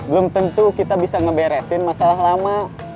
belum tentu kita bisa ngeberesin masalah lama